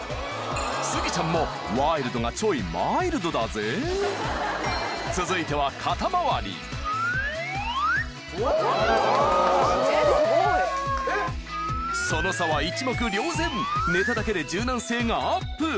スギちゃんもワイルドがちょいマイルドだぜ続いてはえっ⁉その差は一目瞭然寝ただけで柔軟性がアップ